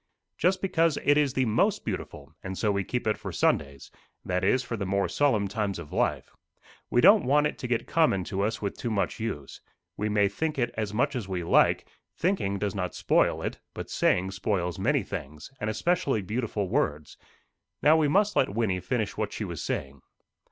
"Just because it is the most beautiful, and so we keep it for Sundays that is, for the more solemn times of life. We don't want it to get common to us with too much use. We may think it as much as we like; thinking does not spoil it; but saying spoils many things, and especially beautiful words. Now we must let Wynnie finish what she was saying."